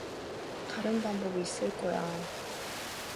다른 방법이 있을 거야.